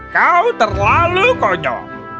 kau terlalu konyol